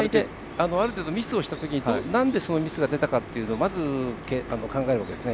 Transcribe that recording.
ある程度ミスをしたときになんでそのミスをしたのかということをまず考えるわけすね。